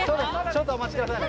ちょっとお待ち下さいね。